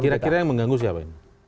kira kira yang mengganggu siapa ini